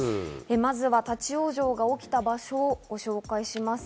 まずは立ち往生が起きた場所をご紹介します。